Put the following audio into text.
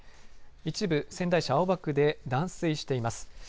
一部、仙台市青葉区で断水しています。